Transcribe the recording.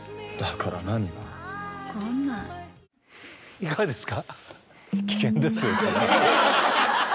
いかがですか？